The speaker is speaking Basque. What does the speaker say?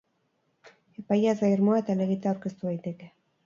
Epaia ez da irmoa eta helegitea aurkeztu daiteke.